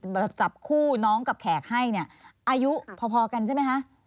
แบบจับคู่น้องกับแขกให้เนี่ยอายุพอกันใช่ไหมคะ